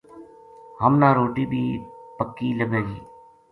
ہمنا روٹی بی پکی لبھے گی